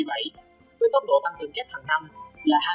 với tốc độ tăng tưởng kết thẳng năm là hai mươi hai một